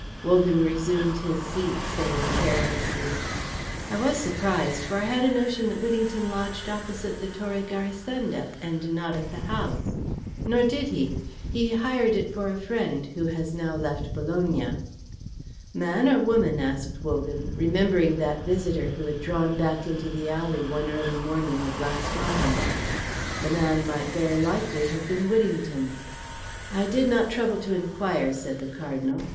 Wogan resumed his seat, saying carelessly, "I was surprised, for I had a notion that Whittington lodged opposite the Torre Garisenda, and not at the house." "Nor did he. He hired it for a friend who has now left Bologna." "Man or woman?" asked Wogan, remembering that visitor who had drawn back into the alley one early morning of last autumn. The man might very likely have been Whittington. "I did not trouble to inquire," said the Cardinal.